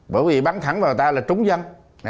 bởi vì bắn thẳng vào tao là trúng dân